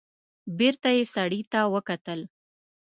بېرته يې سړي ته وکتل.